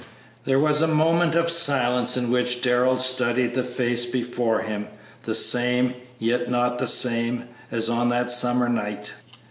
There was a moment of silence in which Darrell studied the face before him; the same, yet not the same, as on that summer night.